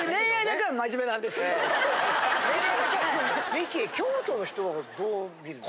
ミキ京都の人はこれどう見るの？